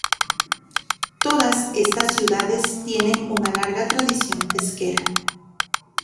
Todas estas ciudades tienen una larga tradición pesquera.